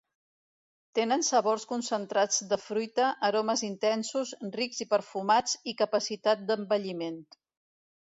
Tenen sabors concentrats de fruita, aromes intensos, rics i perfumats i capacitat d'envelliment.